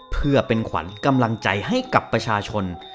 เพื่อเป็นขวัญกำลังใจให้กับประชาชน